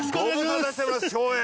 ご無沙汰してます照英！